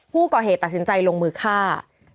ผู้ก่อเหตุตัดสินใจลงมือฆ่า